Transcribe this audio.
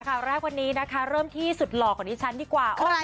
ข่าวแรกวันนี้นะคะเริ่มที่สุดหล่อของดิฉันดีกว่า